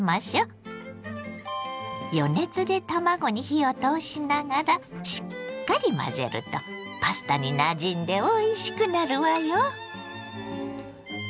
余熱で卵に火を通しながらしっかり混ぜるとパスタになじんでおいしくなるわよ。